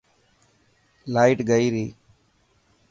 لائٽ گئي ري.